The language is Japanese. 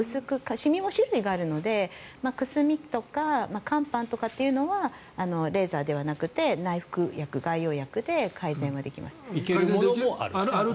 シミも種類があるのでくすみとか肝斑とかというのはレーザーではなくて内服薬、外用薬で改善できるものもある。